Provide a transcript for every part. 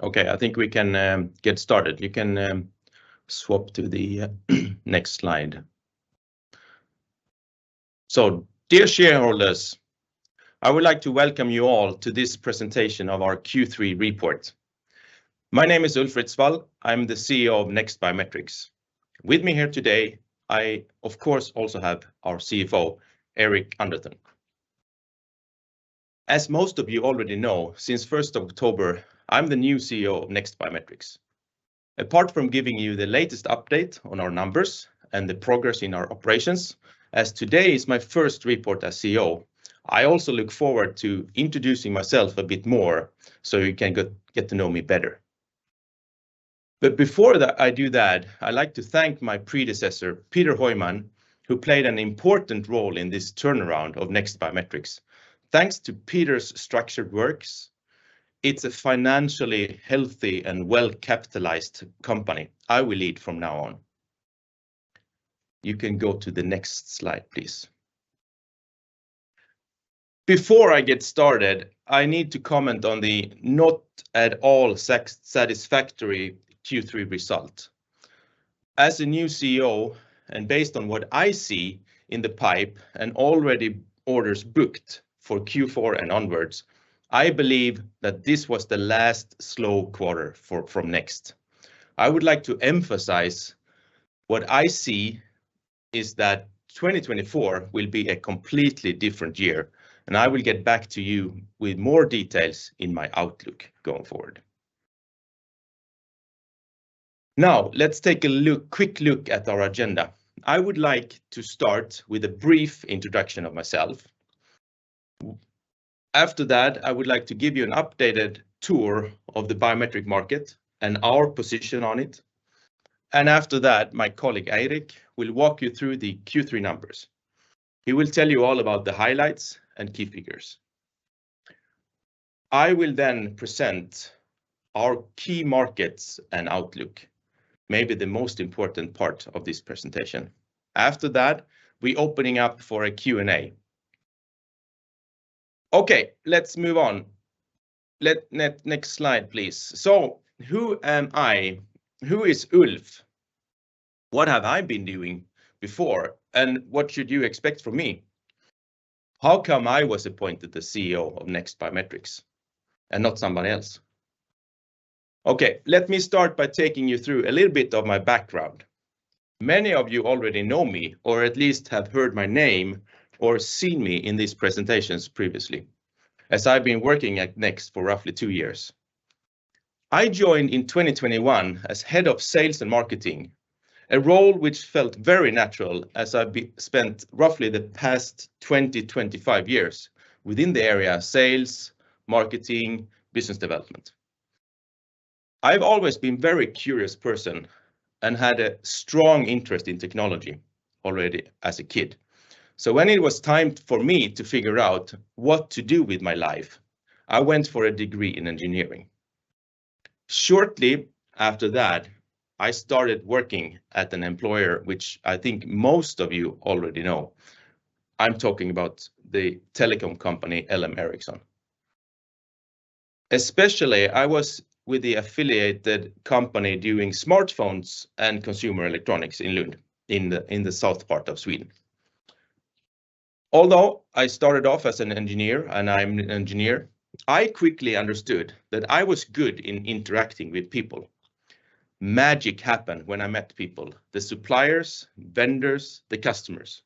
Okay, I think we can get started. You can swap to the next slide. So dear shareholders, I would like to welcome you all to this presentation of our Q3 report. My name is Ulf Ritsvall. I'm the CEO of NEXT Biometrics. With me here today, I, of course, also have our CFO, Eirik Underthun. As most of you already know, since October 1, I'm the new CEO of NEXT Biometrics. Apart from giving you the latest update on our numbers and the progress in our operations, as today is my first report as CEO, I also look forward to introducing myself a bit more so you can get to know me better. But before that, I do that, I'd like to thank my predecessor, Peter Heuman, who played an important role in this turnaround of NEXT Biometrics. Thanks to Peter's structured works, it's a financially healthy and well-capitalized company I will lead from now on. You can go to the next slide, please. Before I get started, I need to comment on the not at all satisfactory Q3 result. As a new CEO, and based on what I see in the pipeline and already orders booked for Q4 and onwards, I believe that this was the last slow quarter from NEXT. I would like to emphasize what I see is that 2024 will be a completely different year, and I will get back to you with more details in my outlook going forward. Now, let's take a look, quick look at our agenda. I would like to start with a brief introduction of myself. After that, I would like to give you an updated tour of the biometric market and our position on it. After that, my colleague, Eirik, will walk you through the Q3 numbers. He will tell you all about the highlights and key figures. I will then present our key markets and outlook, maybe the most important part of this presentation. After that, we opening up for a Q&A. Okay, let's move on. Next slide, please. So who am I? Who is Ulf? What have I been doing before, and what should you expect from me? How come I was appointed the CEO of NEXT Biometrics and not somebody else? Okay, let me start by taking you through a little bit of my background. Many of you already know me, or at least have heard my name, or seen me in these presentations previously, as I've been working at NEXT for roughly two years. I joined in 2021 as Head of Sales and Marketing, a role which felt very natural, as I've spent roughly the past 20, 25 years within the area of sales, marketing, business development. I've always been very curious person and had a strong interest in technology already as a kid. So when it was time for me to figure out what to do with my life, I went for a degree in engineering. Shortly after that, I started working at an employer, which I think most of you already know. I'm talking about the telecom company, LM Ericsson. Especially, I was with the affiliated company doing smartphones and consumer electronics in Lund, in the, in the south part of Sweden. Although I started off as an engineer, and I'm an engineer, I quickly understood that I was good in interacting with people. Magic happened when I met people, the suppliers, vendors, the customers.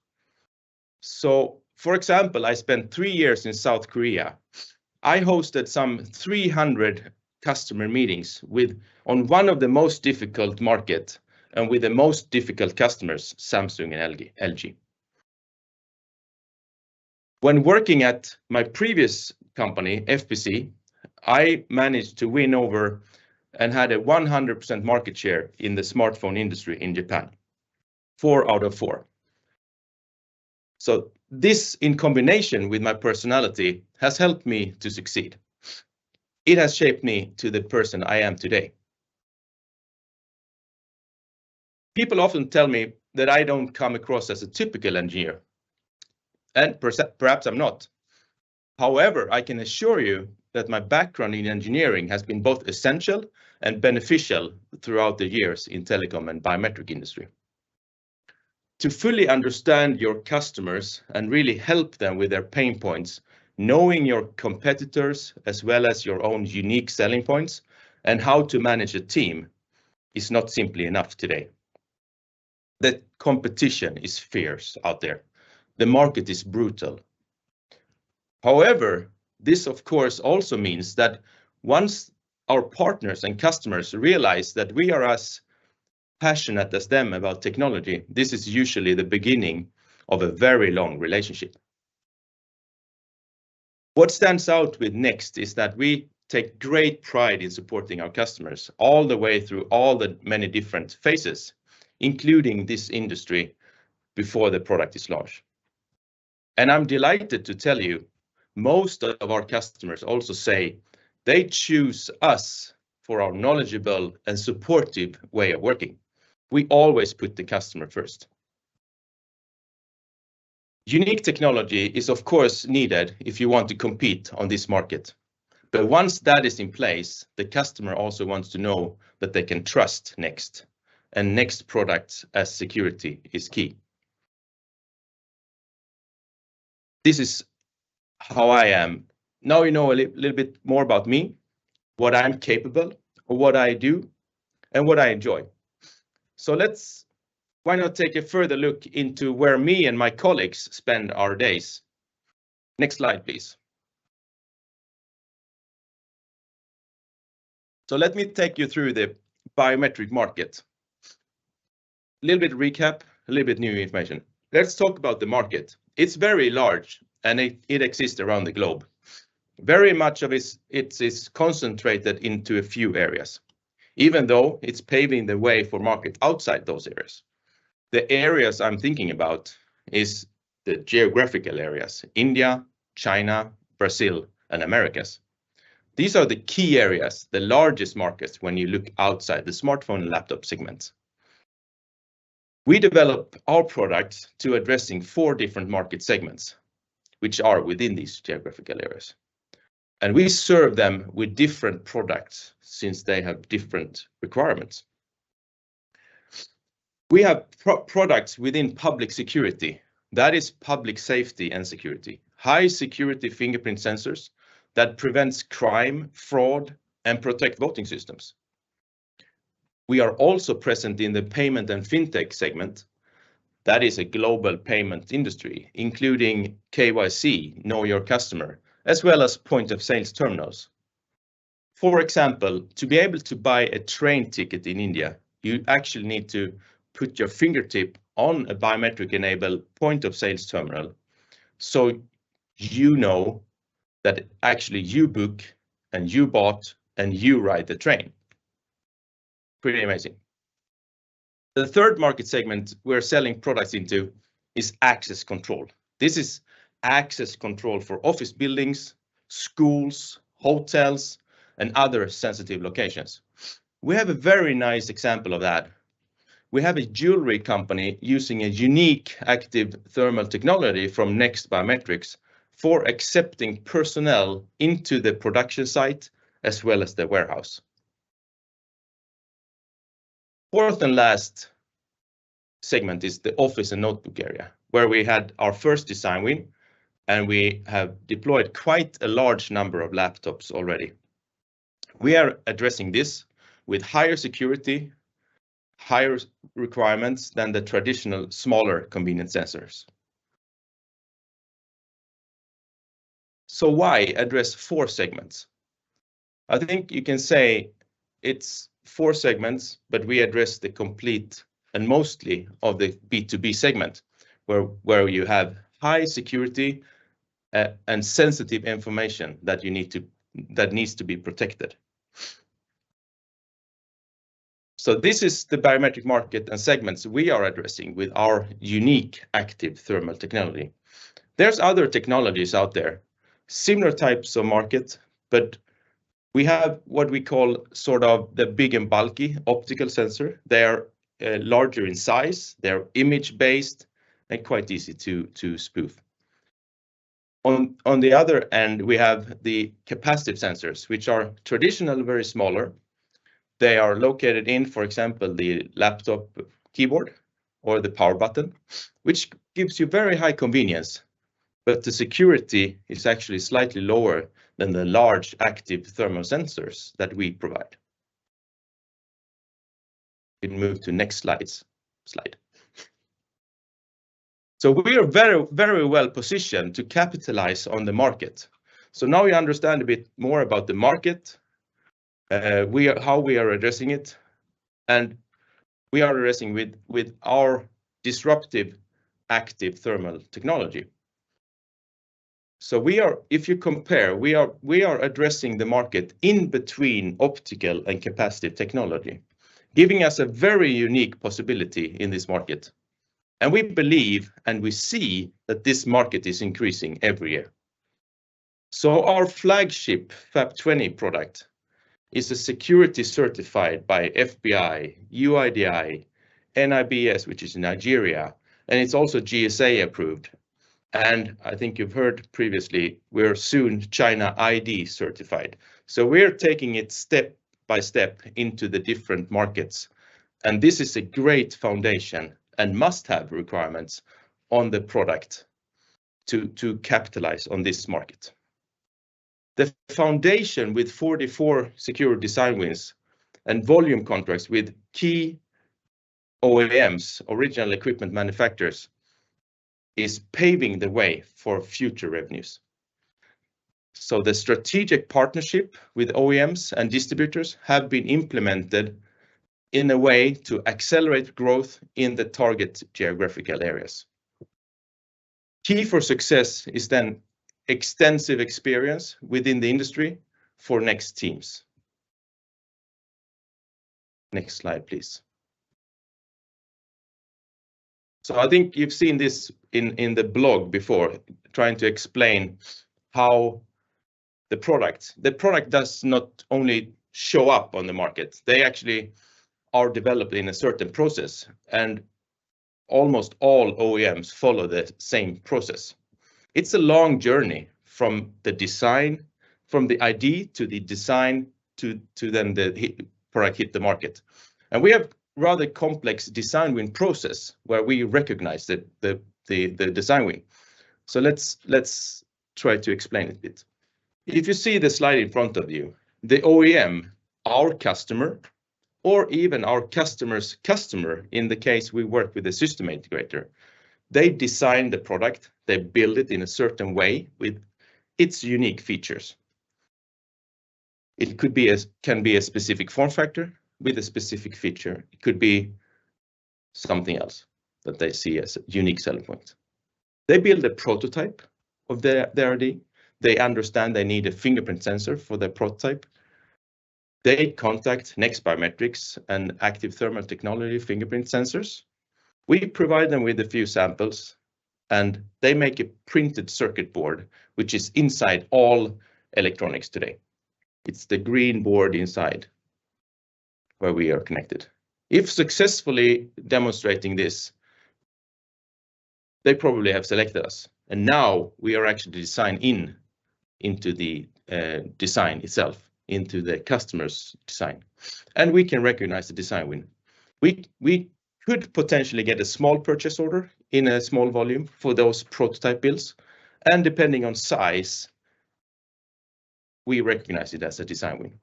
So for example, I spent 3 years in South Korea. I hosted some 300 customer meetings with on one of the most difficult market and with the most difficult customers, Samsung and LG. When working at my previous company, FPC, I managed to win over and had a 100% market share in the smartphone industry in Japan. Four out of four. So this, in combination with my personality, has helped me to succeed. It has shaped me to the person I am today. People often tell me that I don't come across as a typical engineer, and perhaps I'm not. However, I can assure you that my background in engineering has been both essential and beneficial throughout the years in telecom and biometric industry. To fully understand your customers and really help them with their pain points, knowing your competitors, as well as your own unique selling points and how to manage a team, is not simply enough today. The competition is fierce out there. The market is brutal. However, this of course, also means that once our partners and customers realize that we are as passionate as them about technology, this is usually the beginning of a very long relationship. What stands out with NEXT is that we take great pride in supporting our customers all the way through all the many different phases, including this industry, before the product is launched. And I'm delighted to tell you, most of our customers also say they choose us for our knowledgeable and supportive way of working. We always put the customer first.... Unique technology is, of course, needed if you want to compete on this market. But once that is in place, the customer also wants to know that they can trust NEXT, and NEXT products as security is key. This is how I am. Now you know a little bit more about me, what I'm capable, or what I do, and what I enjoy. So let's why not take a further look into where me and my colleagues spend our days? Next slide, please. So let me take you through the biometric market. Little bit recap, a little bit new information. Let's talk about the market. It's very large, and it, it exists around the globe. Very much of it, it is concentrated into a few areas, even though it's paving the way for market outside those areas. The areas I'm thinking about is the geographical areas, India, China, Brazil, and Americas. These are the key areas, the largest markets when you look outside the smartphone and laptop segments. We develop our products to addressing four different market segments, which are within these geographical areas, and we serve them with different products since they have different requirements. We have pro- products within public security. That is public safety and security. High-security fingerprint sensors that prevents crime, fraud, and protect voting systems. We are also present in the payment and fintech segment. That is a global payment industry, including KYC, Know Your Customer, as well as point of sales terminals. For example, to be able to buy a train ticket in India, you actually need to put your fingertip on a biometric-enabled point-of-sales terminal, so you know that actually you book, and you bought, and you ride the train. Pretty amazing. The third market segment we're selling products into is access control. This is access control for office buildings, schools, hotels, and other sensitive locations. We have a very nice example of that. We have a jewelry company using a unique active thermal technology from NEXT Biometrics for accepting personnel into the production site, as well as the warehouse. Fourth and last segment is the office and notebook area, where we had our first design win, and we have deployed quite a large number of laptops already. We are addressing this with higher security, higher requirements than the traditional, smaller, convenient sensors. So why address four segments? I think you can say it's four segments, but we address the complete and mostly of the B2B segment, where you have high security, and sensitive information that you need to, that needs to be protected. So this is the biometric market and segments we are addressing with our unique active thermal technology. There's other technologies out there, similar types of market, but we have what we call sort of the big and bulky optical sensor. They are larger in size, they're image-based, and quite easy to spoof. On the other end, we have the capacitive sensors, which are traditionally very smaller. They are located in, for example, the laptop keyboard or the power button, which gives you very high convenience, but the security is actually slightly lower than the large active thermal sensors that we provide. We move to next slides. So we are very, very well positioned to capitalize on the market. So now we understand a bit more about the market, how we are addressing it, and we are addressing with our disruptive active thermal technology. So we are, if you compare, addressing the market in between optical and capacitive technology, giving us a very unique possibility in this market, and we believe, and we see that this market is increasing every year. So our flagship FAP20 product is security certified by FBI, UIDAI, NIBSS, which is Nigeria, and it's also GSA approved, and I think you've heard previously, we're soon China ID certified. So we're taking it step by step into the different markets, and this is a great foundation and must-have requirements on the product to capitalize on this market. The foundation with 44 secure design wins and volume contracts with key OEMs, original equipment manufacturers, is paving the way for future revenues. So the strategic partnership with OEMs and distributors have been implemented in a way to accelerate growth in the target geographical areas. Key for success is then extensive experience within the industry for NEXT teams. Next slide, please. So I think you've seen this in the blog before, trying to explain how the product. The product does not only show up on the market, they actually are developed in a certain process, and almost all OEMs follow the same process. It's a long journey from the design, from the idea to the design, to then the product hit the market. And we have rather complex design win process, where we recognize that the design win. So let's, let's try to explain it a bit. If you see the slide in front of you, the OEM, our customer, or even our customer's customer, in the case we work with a system integrator, they design the product, they build it in a certain way with its unique features. It could be a, can be a specific form factor with a specific feature. It could be something else that they see as a unique selling point. They build a prototype of their, their idea. They understand they need a fingerprint sensor for their prototype. They contact NEXT Biometrics and active thermal technology fingerprint sensors. We provide them with a few samples, and they make a printed circuit board, which is inside all electronics today. It's the green board inside, where we are connected. If successfully demonstrating this, they probably have selected us, and now we are actually designed in into the design itself, into the customer's design, and we can recognize the design win. We, we could potentially get a small purchase order in a small volume for those prototype builds, and depending on size, we recognize it as a design win.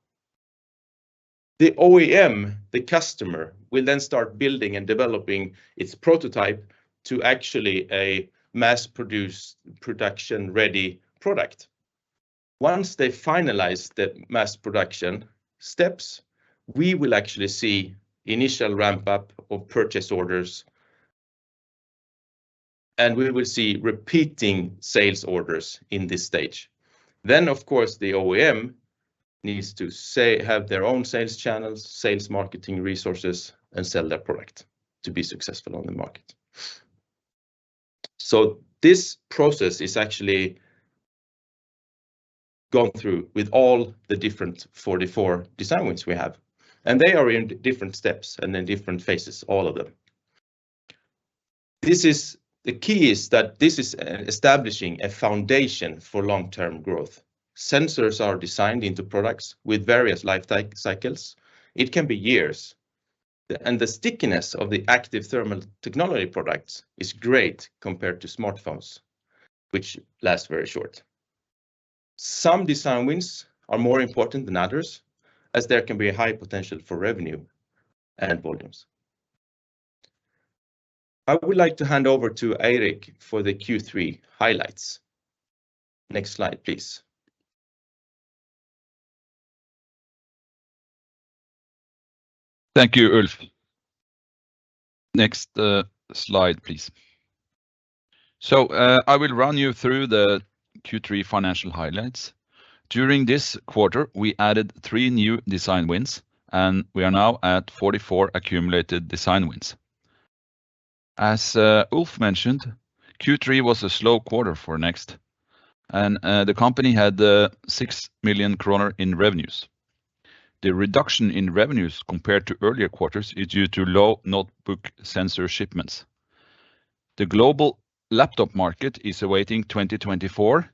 The OEM, the customer, will then start building and developing its prototype to actually a mass-produced, production-ready product. Once they finalize the mass production steps, we will actually see initial ramp-up of purchase orders, and we will see repeating sales orders in this stage. Then, of course, the OEM needs to say have their own sales channels, sales marketing resources, and sell their product to be successful on the market. So this process is actually gone through with all the different 44 design wins we have, and they are in different steps and in different phases, all of them. This is. The key is that this is establishing a foundation for long-term growth. Sensors are designed into products with various life cycles. It can be years, and the stickiness of the active thermal technology products is great compared to smartphones, which lasts very short. Some design wins are more important than others, as there can be a high potential for revenue and volumes. I would like to hand over to Eirik for the Q3 highlights. Next slide, please. Thank you, Ulf. Next, slide, please. So, I will run you through the Q3 financial highlights. During this quarter, we added three new design wins, and we are now at 44 accumulated design wins. As Ulf mentioned, Q3 was a slow quarter for NEXT, and the company had 6 million kroner in revenues. The reduction in revenues compared to earlier quarters is due to low notebook sensor shipments. The global laptop market is awaiting 2024,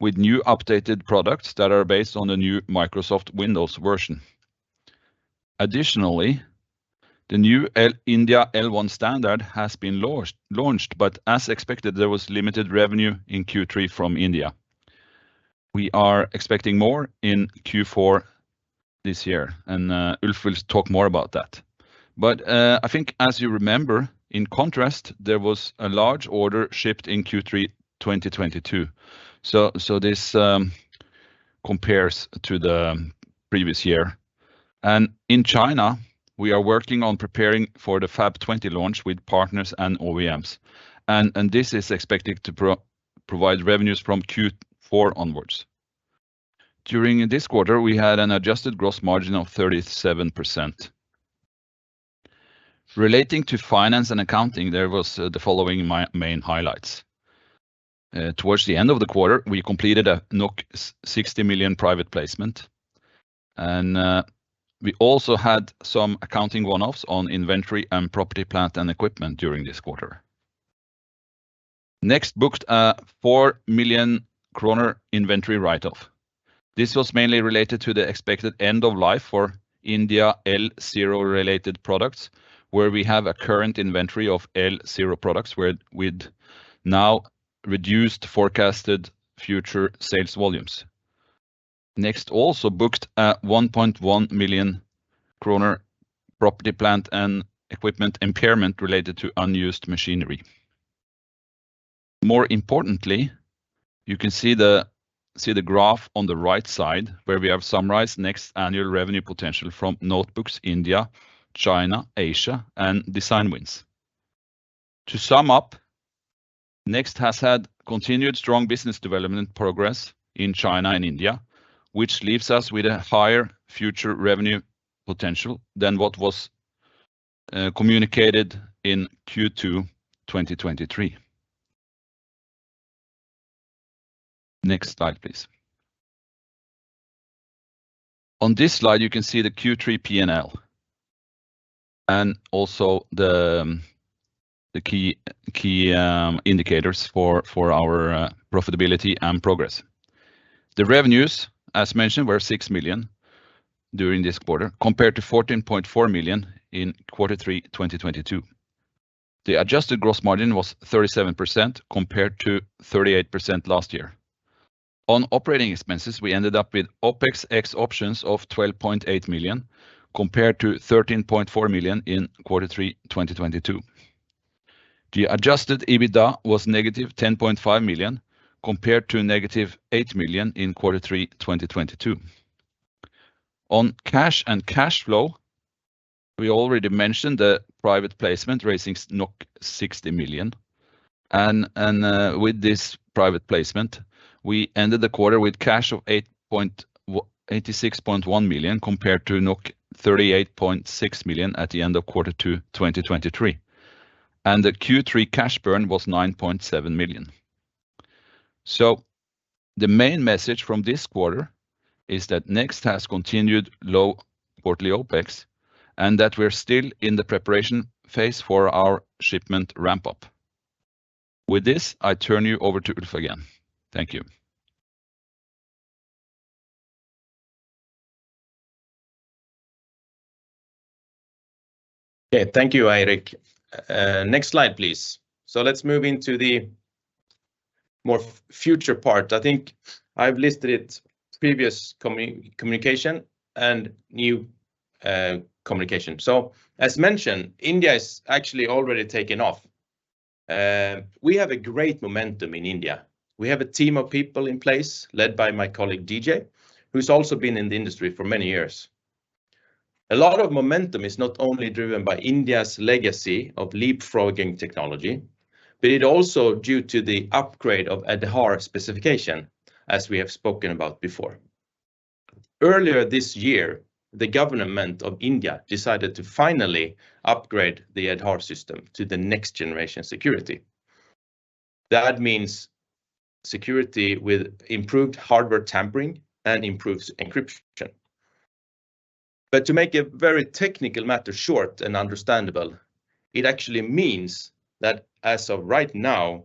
with new updated products that are based on the new Microsoft Windows version. Additionally, the new India L1 standard has been launched, but as expected, there was limited revenue in Q3 from India. We are expecting more in Q4 this year, and Ulf will talk more about that. I think, as you remember, in contrast, there was a large order shipped in Q3 2022, so this compares to the previous year. In China, we are working on preparing for the FAP20 launch with partners and OEMs, and this is expected to provide revenues from Q4 onwards. During this quarter, we had an adjusted gross margin of 37%. Relating to finance and accounting, there was the following main highlights: Towards the end of the quarter, we completed a 60 million private placement, and we also had some accounting one-offs on inventory and property, plant, and equipment during this quarter. NEXT booked a 4 million kroner inventory write-off. This was mainly related to the expected end of life for India L0 related products, where we have a current inventory of L0 products with now reduced forecasted future sales volumes. NEXT also booked at 1.1 million kroner property, plant, and equipment impairment related to unused machinery. More importantly, you can see the graph on the right side, where we have summarized NEXT's annual revenue potential from notebooks, India, China, Asia, and design wins. To sum up, NEXT has had continued strong business development progress in China and India, which leaves us with a higher future revenue potential than what was communicated in Q2 2023. Next slide, please. On this slide, you can see the Q3 P&L and also the key indicators for our profitability and progress. The revenues, as mentioned, were 6 million during this quarter, compared to 14.4 million in Q3 2022. The adjusted gross margin was 37%, compared to 38% last year. On operating expenses, we ended up with OpEx ex options of 12.8 million, compared to 13.4 million in Q3 2022. The adjusted EBITDA was -10.5 million, compared to -8 million in Q3 2022. On cash and cash flow, we already mentioned the private placement, raising 60 million, and, and, with this private placement, we ended the quarter with cash of eighty-six point one million, compared to 38.6 million at the end of Q2 2023, and the Q3 cash burn was 9.7 million. The main message from this quarter is that NEXT has continued low quarterly OpEx, and that we're still in the preparation phase for our shipment ramp-up. With this, I turn you over to Ulf again. Thank you. Okay. Thank you, Eirik. Next slide, please. So let's move into the more future part. I think I've listed it, previous communication and new communication. So as mentioned, India is actually already taken off. We have a great momentum in India. We have a team of people in place, led by my colleague, DJ, who's also been in the industry for many years. A lot of momentum is not only driven by India's legacy of leapfrogging technology, but it also due to the upgrade of Aadhaar specification, as we have spoken about before. Earlier this year, the government of India decided to finally upgrade the Aadhaar system to the next generation security. That means security with improved hardware tampering and improved encryption. But to make a very technical matter short and understandable, it actually means that as of right now,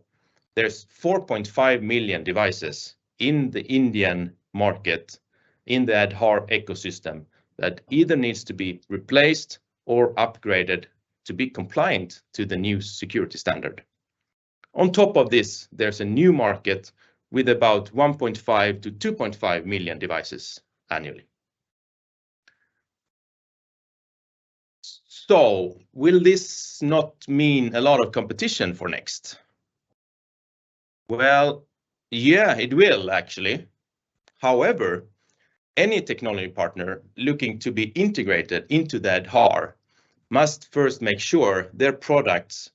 there's 4.5 million devices in the Indian market, in the Aadhaar ecosystem, that either needs to be replaced or upgraded to be compliant to the new security standard. On top of this, there's a new market with about 1.5-2.5 million devices annually. So will this not mean a lot of competition for Next? Well, yeah, it will, actually. However, any technology partner looking to be integrated into the Aadhaar must first make sure their products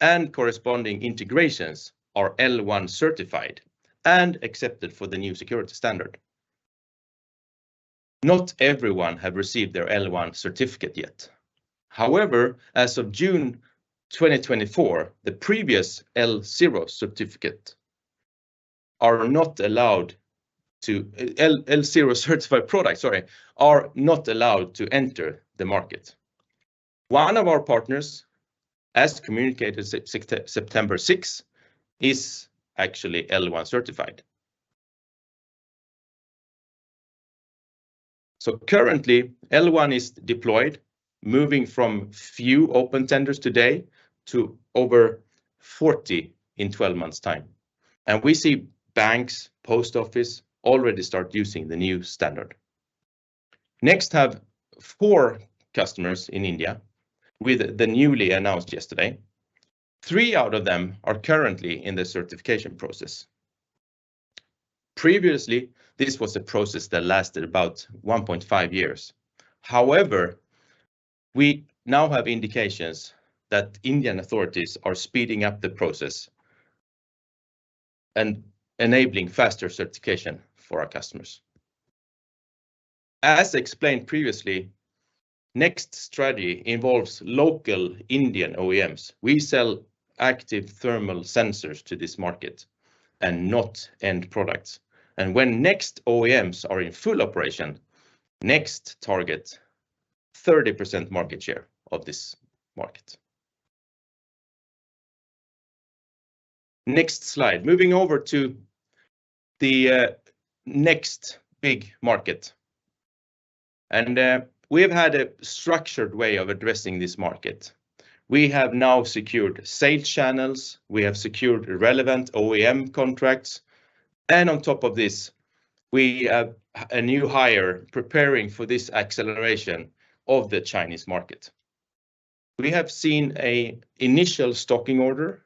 and corresponding integrations are L1 certified and accepted for the new security standard. Not everyone have received their L1 certificate yet. However, as of June 2024, the previous L0 certified product are not allowed to enter the market. One of our partners, as communicated September 6, is actually L1 certified. So currently, L1 is deployed, moving from few open tenders today to over 40 in 12 months' time, and we see banks, post office already start using the new standard. NEXT has four customers in India, with the newly announced yesterday. Three out of them are currently in the certification process. Previously, this was a process that lasted about 1.5 years. However, we now have indications that Indian authorities are speeding up the process and enabling faster certification for our customers. As explained previously, NEXT's strategy involves local Indian OEMs. We sell active thermal sensors to this market and not end products, and when NEXT OEMs are in full operation, NEXT target 30% market share of this market. Next slide. Moving over to the NEXT big market, and we have had a structured way of addressing this market. We have now secured sales channels, we have secured relevant OEM contracts, and on top of this, we have a new hire preparing for this acceleration of the Chinese market. We have seen an initial stocking order,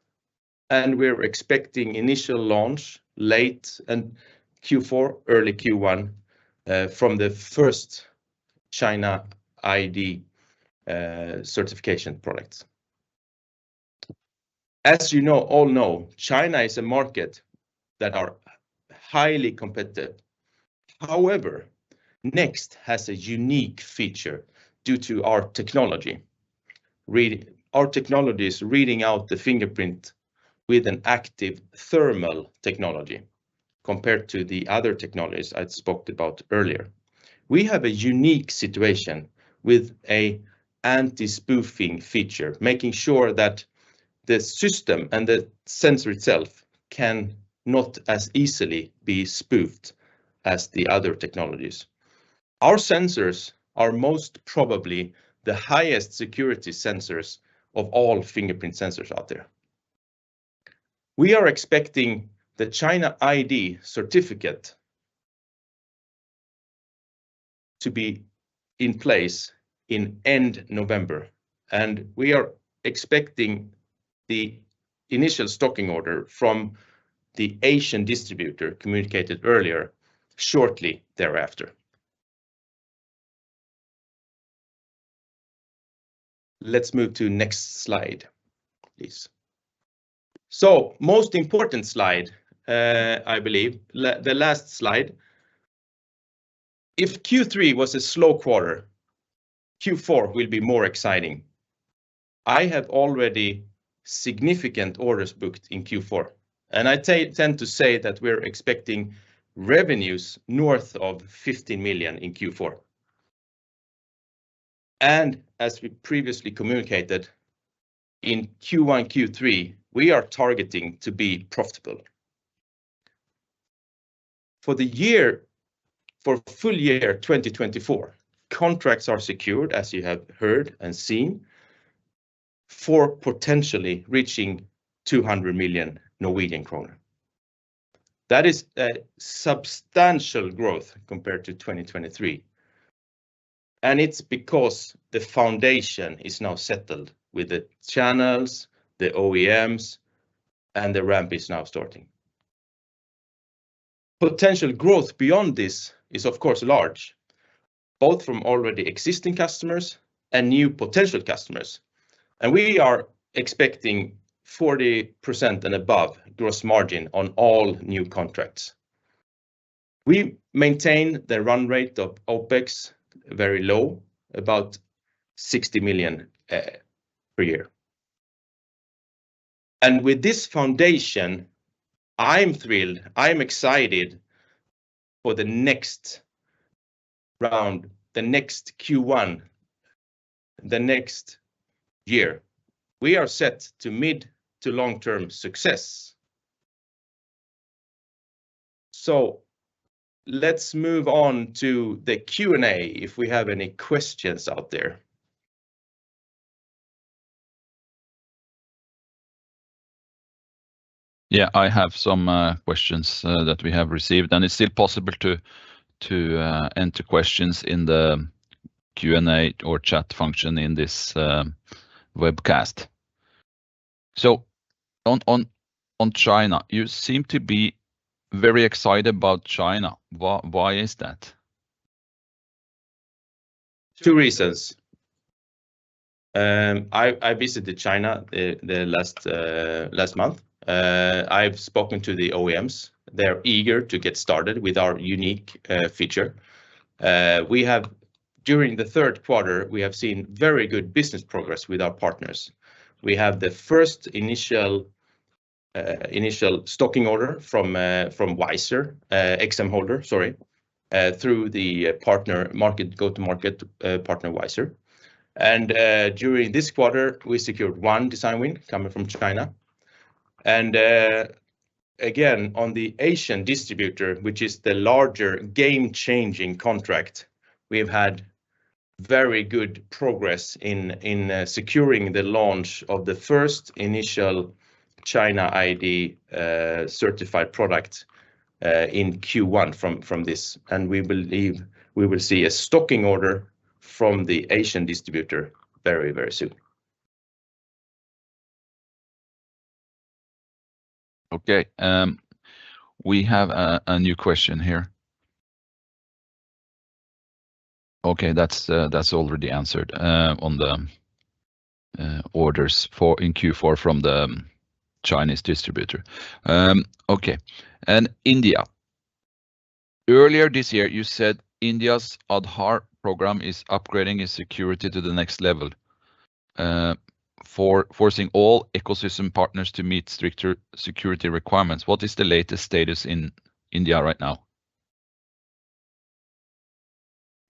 and we're expecting initial launch late in Q4, early Q1, from the first China ID certification products. As you all know, China is a market that are highly competitive. However, NEXT has a unique feature due to our technology. Our technology is reading out the fingerprint with an active thermal technology, compared to the other technologies I spoke about earlier. We have a unique situation with an anti-spoofing feature, making sure that the system and the sensor itself can not as easily be spoofed as the other technologies. Our sensors are most probably the highest security sensors of all fingerprint sensors out there. We are expecting the China ID certificate to be in place in end November, and we are expecting the initial stocking order from the Asian distributor communicated earlier, shortly thereafter. Let's move to next slide, please. So most important slide, I believe, the last slide. If Q3 was a slow quarter, Q4 will be more exciting. I have already significant orders booked in Q4, and I tend to say that we're expecting revenues north of 50 million in Q4. And as we previously communicated, in Q1, Q3, we are targeting to be profitable. For the year, for full year 2024, contracts are secured, as you have heard and seen, for potentially reaching 200 million Norwegian kroner. That is a substantial growth compared to 2023, and it's because the foundation is now settled with the channels, the OEMs, and the ramp is now starting. Potential growth beyond this is, of course, large, both from already existing customers and new potential customers, and we are expecting 40% and above gross margin on all new contracts. We maintain the run rate of OpEx very low, about 60 million per year. With this foundation, I'm thrilled, I'm excited for the next round, the next Q1, the next year. We are set to mid- to long-term success. Let's move on to the Q&A, if we have any questions out there. Yeah, I have some questions that we have received, and it's still possible to enter questions in the Q&A or chat function in this webcast. So on China, you seem to be very excited about China. Why is that? Two reasons. I visited China last month. I've spoken to the OEMs. They're eager to get started with our unique feature. During the Q3, we have seen very good business progress with our partners. We have the first initial stocking order from WLZR, XM Holder, sorry, through the partner go-to-market partner, WLZR. During this quarter, we secured one design win coming from China. Again, on the Asian distributor, which is the larger game-changing contract, we've had very good progress in securing the launch of the first initial China ID certified product in Q1 from this, and we believe we will see a stocking order from the Asian distributor very, very soon. Okay, we have a new question here. Okay, that's already answered on the orders for in Q4 from the Chinese distributor. Okay, and India. Earlier this year, you said India's Aadhaar program is upgrading its security to the next level, for forcing all ecosystem partners to meet stricter security requirements. What is the latest status in India right now?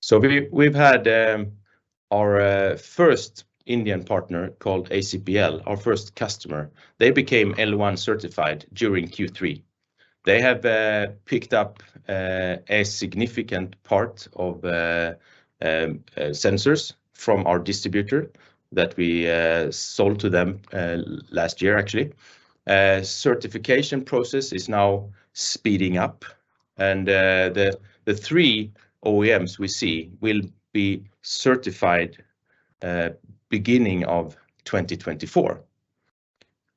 So we've had our first Indian partner, called ACPL, our first customer. They became L1 certified during Q3. They have picked up a significant part of sensors from our distributor that we sold to them last year, actually. Certification process is now speeding up, and the three OEMs we see will be certified beginning of 2024.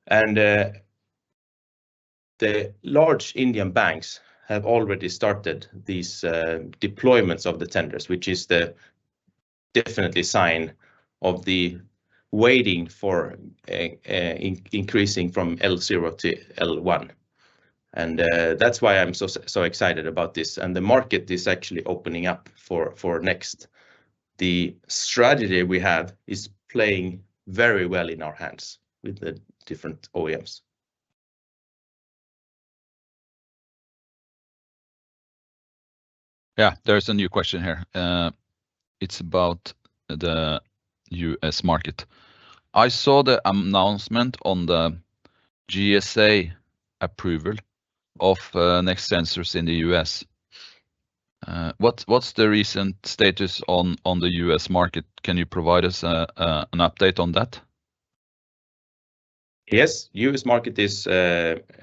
And the large Indian banks have already started these deployments of the tenders, which is the definitely sign of the waiting for a increasing from L0 to L1. And that's why I'm so excited about this, and the market is actually opening up for NEXT. The strategy we have is playing very well in our hands with the different OEMs. Yeah, there's a new question here. It's about the US market. I saw the announcement on the GSA approval of NEXT sensors in the US. What's the recent status on the US market? Can you provide us an update on that? Yes, U.S. market is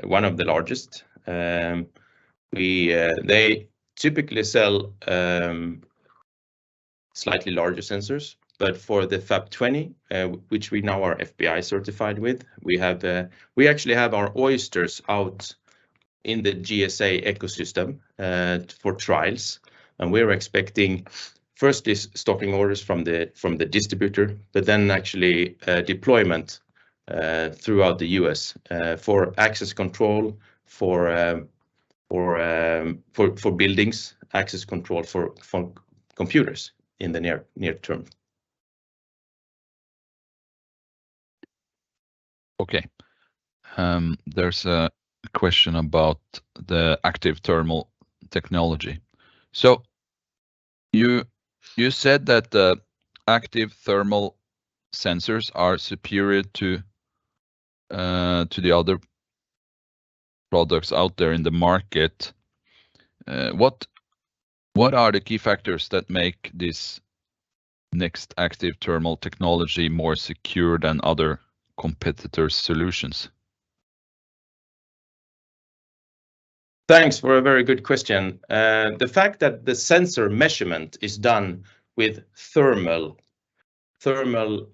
one of the largest. We, they typically sell slightly larger sensors, but for the FAP20, which we now are FBI certified with, we actually have our Oyster out in the GSA ecosystem for trials, and we're expecting first is stocking orders from the distributor, but then actually deployment throughout the U.S. for access control for buildings, access control for computers in the near term. Okay. There's a question about the active thermal technology. So you said that the active thermal sensors are superior to the other products out there in the market. What are the key factors that make this NEXT active thermal technology more secure than other competitors' solutions? Thanks for a very good question. The fact that the sensor measurement is done with thermal, thermal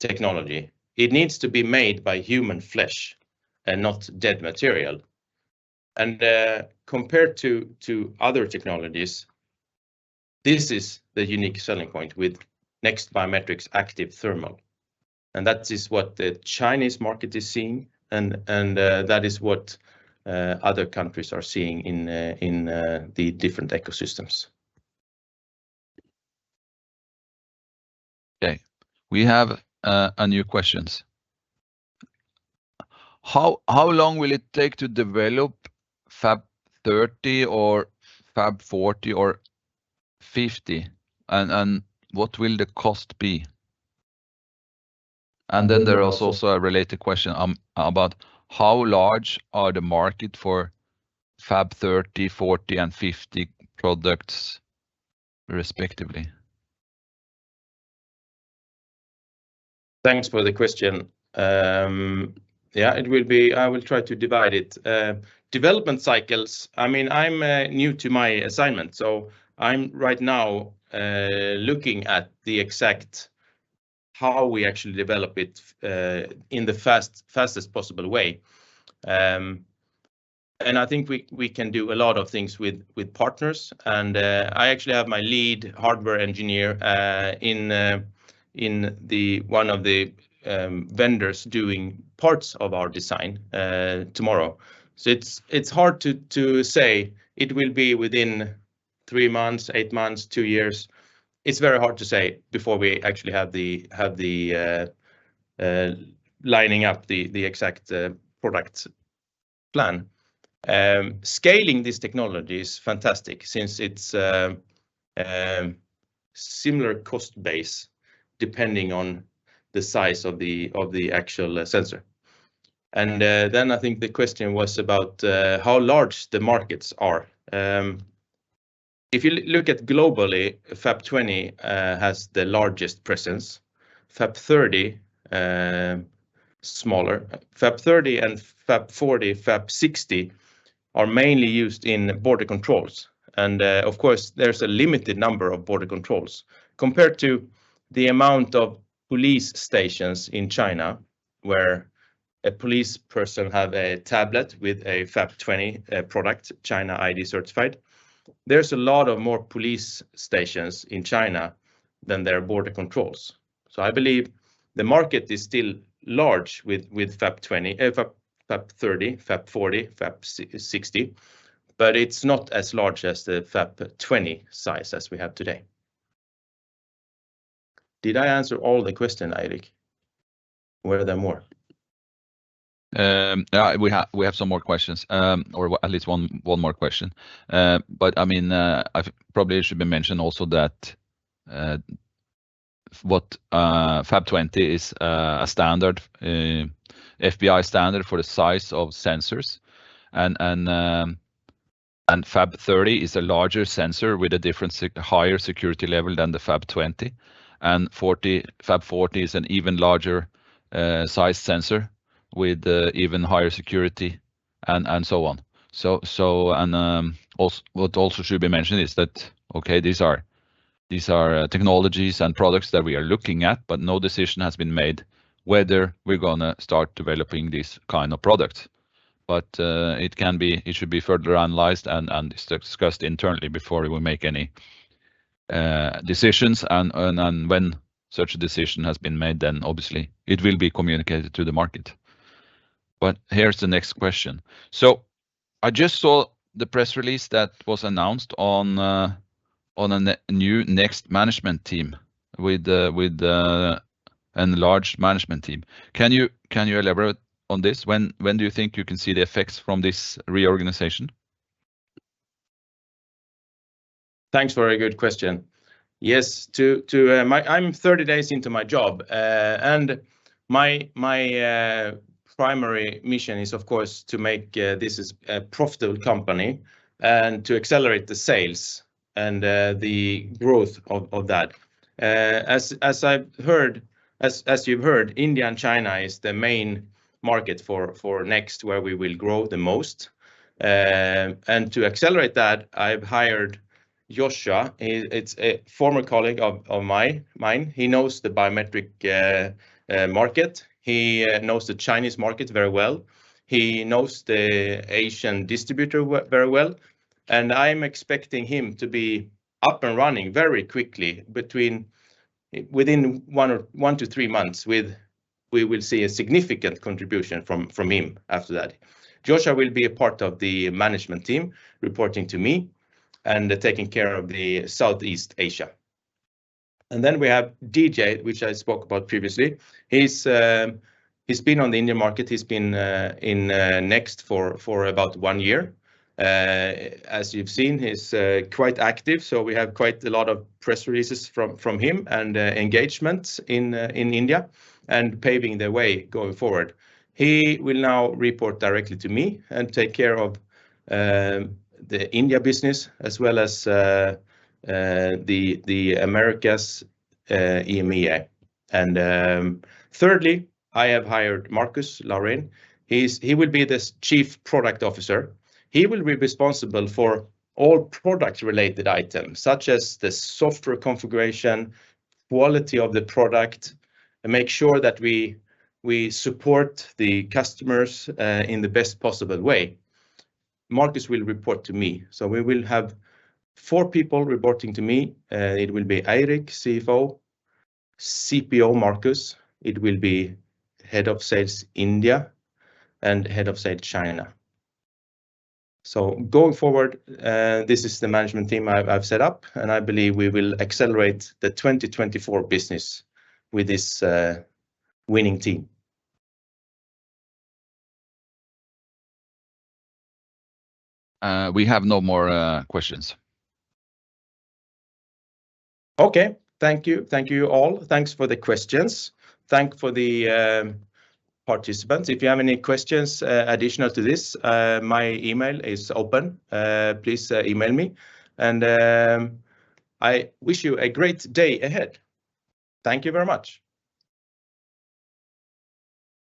technology, it needs to be made by human flesh and not dead material. Compared to other technologies, this is the unique selling point with NEXT Biometrics active thermal, and that is what the Chinese market is seeing, and that is what other countries are seeing in the different ecosystems. Okay, we have a new questions. How, how long will it take to develop FAP30 or FAP40 or FAP50, and, and what will the cost be? And then there is also a related question about how large are the market for FAP30, FAP40, and FAP50 products, respectively? Thanks for the question. Yeah, it will be, I will try to divide it. Development cycles, I mean, I'm new to my assignment, so I'm right now looking at the exact how we actually develop it in the fastest possible way. And I think we can do a lot of things with partners. And I actually have my lead hardware engineer in one of the vendors doing parts of our design tomorrow. So it's hard to say it will be within 3 months, 8 months, 2 years. It's very hard to say before we actually have the lining up the exact product plan. Scaling this technology is fantastic since it's similar cost base, depending on the size of the actual sensor. Then I think the question was about how large the markets are. If you look at globally, FAP20 has the largest presence. FAP30 smaller. FAP30 and FAP40, FAP60 are mainly used in border controls, and of course, there's a limited number of border controls compared to the amount of police stations in China, where a police person have a tablet with a FAP20 product, China ID certified. There's a lot of more police stations in China than there are border controls. So I believe the market is still large with FAP20, FAP30, FAP40, FAP60, but it's not as large as the FAP20 size as we have today. Did I answer all the question, Eirik? Were there more? Yeah, we have some more questions, or at least one more question. But, I mean, I've probably it should be mentioned also that FAP20 is a standard FBI standard for the size of sensors, and FAP30 is a larger sensor with a higher security level than the FAP20, and 40, FAP40 is an even larger size sensor with even higher security and so on. So, also, what should be mentioned is that these are technologies and products that we are looking at, but no decision has been made whether we're gonna start developing this kind of product. But, it should be further analyzed and discussed internally before we will make any decisions. When such a decision has been made, then obviously it will be communicated to the market. But here's the next question: "So I just saw the press release that was announced on a new NEXT management team with a enlarged management team. Can you elaborate on this? When do you think you can see the effects from this reorganization? Thanks for a good question. Yes, I'm 30 days into my job, and my primary mission is, of course, to make this a profitable company and to accelerate the sales and the growth of that. As you've heard, India and China is the main market for NEXT, where we will grow the most. And to accelerate that, I've hired Joshua. He is a former colleague of mine. He knows the biometrics market. He knows the Chinese market very well. He knows the Asian distributor very well, and I'm expecting him to be up and running very quickly, within 1 or 1 to 3 months, with, we will see a significant contribution from him after that. Joshua will be a part of the management team, reporting to me and taking care of the Southeast Asia. And then we have DJ, which I spoke about previously. He's been on the Indian market. He's been in NEXT for about one year. As you've seen, he's quite active, so we have quite a lot of press releases from him, and engagement in India, and paving the way going forward. He will now report directly to me and take care of the India business, as well as the Americas, EMEA. Thirdly, I have hired Marcus Lorén. He will be the Chief Product Officer. He will be responsible for all product-related items, such as the software configuration, quality of the product, and make sure that we support the customers in the best possible way. Marcus will report to me. So we will have four people reporting to me. It will be Eirik, CFO, CPO, Marcus; it will be Head of Sales India, and Head of Sales China. So going forward, this is the management team I've set up, and I believe we will accelerate the 2024 business with this winning team. We have no more questions. Okay. Thank you. Thank you, all. Thanks for the questions. Thank for the, participants. If you have any questions, additional to this, my email is open. Please, email me, and, I wish you a great day ahead. Thank you very much!